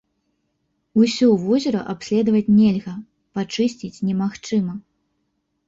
Усё возера абследаваць нельга, пачысціць немагчыма.